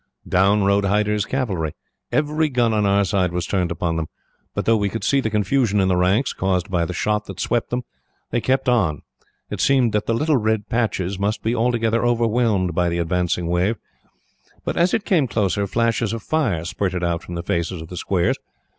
"Down rode Hyder's cavalry. Every gun on our side was turned upon them. But though we could see the confusion in the ranks, caused by the shot that swept them, they kept on. It seemed that the little red patches must be altogether overwhelmed by the advancing wave. But as it came closer, flashes of fire spurted out from the faces of the squares.